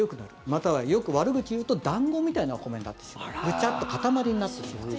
または、悪口言うと団子みたいなお米になってしまうグチャッと塊になってしまう。